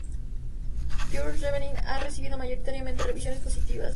Y"uri's Reveng"e ha recibido mayoritariamente revisiones positivas.